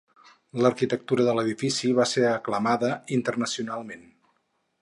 L'arquitectura de l'edifici va ser aclamada internacionalment.